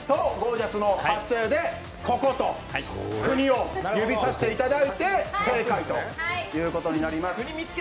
ジャスさんの発声で国を指さしていただいて正解ということになります。